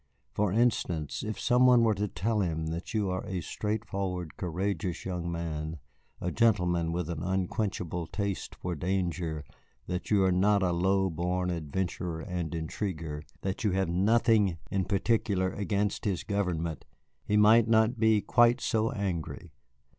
For instance, if some one were to tell him that you are a straightforward, courageous young man, a gentleman with an unquenchable taste for danger, that you are not a low born adventurer and intriguer, that you have nothing in particular against his government, he might not be quite so angry.